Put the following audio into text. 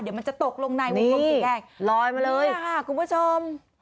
เดี๋ยวมันจะตกลงในวงกลมสีแดงลอยมาเลยค่ะคุณผู้ชม